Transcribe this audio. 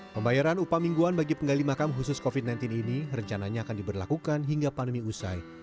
pembayaran upah mingguan bagi penggali makam khusus covid sembilan belas ini rencananya akan diberlakukan hingga pandemi usai